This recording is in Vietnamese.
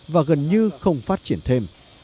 và gần như không phát triển thêm